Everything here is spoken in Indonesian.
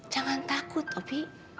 jangan takut opi